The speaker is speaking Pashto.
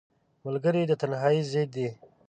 ملګری د تنهایۍ ضد دی